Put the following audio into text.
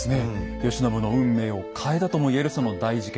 慶喜の運命を変えたとも言えるその大事件。